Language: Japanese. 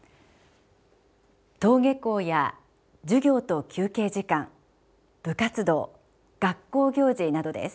登下校や授業と休憩時間部活動学校行事などです。